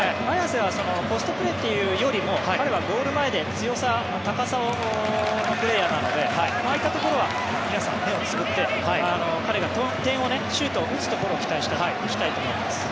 綺世はポストプレーというよりも彼はゴール前で強さ、高さのあるプレーヤーなのでああいったところは目をつむって彼がシュートを打つところを期待したいと思います。